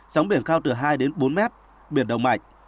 sóng biển cao từ hai đến bốn mét biển động mạnh